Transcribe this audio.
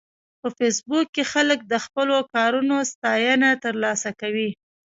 په فېسبوک کې خلک د خپلو کارونو ستاینه ترلاسه کوي